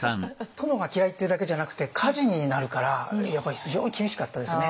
殿が嫌いっていうだけじゃなくて火事になるからやっぱり非常に厳しかったですね